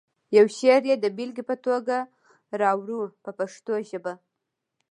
یو شعر یې د بېلګې په توګه راوړو په پښتو ژبه.